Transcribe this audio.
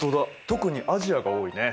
特にアジアが多いね。